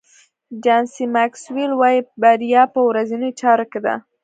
جان سي ماکسویل وایي بریا په ورځنیو چارو کې ده.